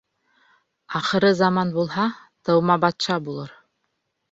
Ахыры заман булһа, тыумабатша булыр.